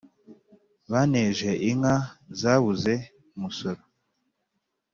Banteje inka zabuze umusoro,